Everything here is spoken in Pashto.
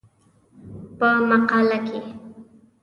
په مقاله کې